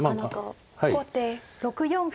後手６四歩。